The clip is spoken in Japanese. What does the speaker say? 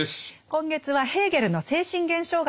今月はヘーゲルの「精神現象学」